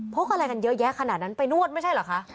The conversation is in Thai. กอะไรกันเยอะแยะขนาดนั้นไปนวดไม่ใช่เหรอคะ